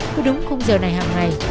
có đúng không giờ này hằng ngày